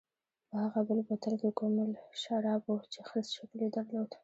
په هغه بل بوتل کې کومل شراب و چې خرس شکل یې درلود.